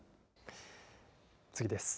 次です。